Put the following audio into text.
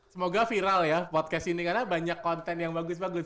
semoga viral ya podcast ini karena banyak konten yang bagus bagus